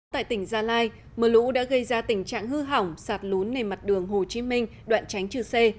tại tỉnh gia lai mưa lũ đã gây ra tình trạng hư hỏng sạt lún nề mặt đường hồ chí minh đoạn tránh chư sê